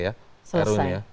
ini selesai ya